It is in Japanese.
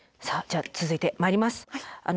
さあじゃあ続いてまいります。